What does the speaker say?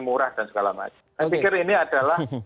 murah dan segala macam saya pikir ini adalah